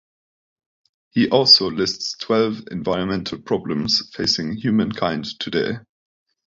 He also lists twelve environmental problems facing humankind today.